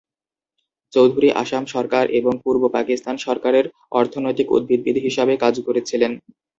চৌধুরী আসাম সরকার এবং পূর্ব পাকিস্তান সরকারের অর্থনৈতিক উদ্ভিদবিদ হিসাবে কাজ করেছিলেন।